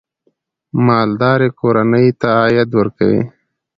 مالداري کورنۍ ته عاید ورکوي.